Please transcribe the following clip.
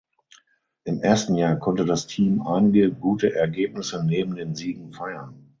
Im ersten Jahr konnte das Team einige gute Ergebnisse neben den Siegen feiern.